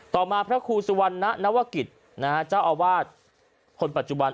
ต่อมาพระครูสุวรรณณหวะกิฏนะเจ้าอาวบาทคนปับจุบัน